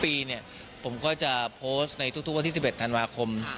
ปีเนี่ยผมก็จะโพสต์ในทุกวันที่๑๑ธันวาคม